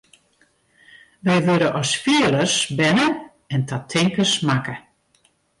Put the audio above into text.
Wy wurde as fielers berne en ta tinkers makke.